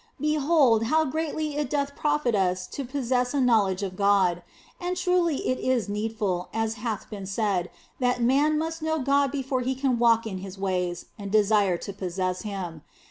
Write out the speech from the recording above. Behold, how greatly it doth profit us to possess a know OF FOLIGNO 49 ledge of God. And truly is it needful, as hath been said, that man must know God before he can walk in His ways and desire to possess Him.